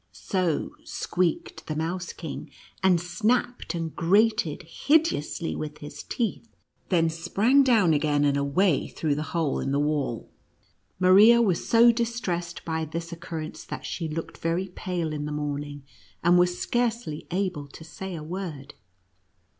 So squeaked the Mouse King, and snapped and grated hideously with his teeth, then sprang down again, and away through the hole in the wall. Maria was so distressed by this occurrence that she looked very pale in the morning, and was scarcely able to say a word.